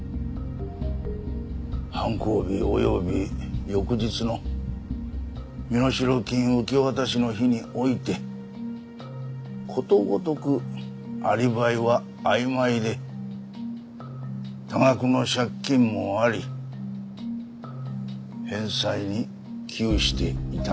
犯行日及び翌日の身代金受け渡しの日においてことごとくアリバイはあいまいで多額の借金もあり返済に窮していたのです。